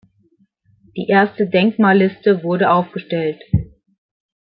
Die erste Denkmalliste wurde aufgestellt.